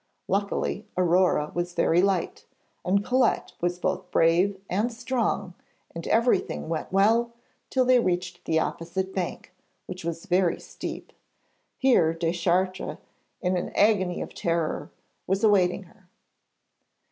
Luckily Aurore was very light, and Colette was both brave and strong, and everything went well till they reached the opposite bank, which was very steep. Here Deschartres in an agony of terror, was awaiting her.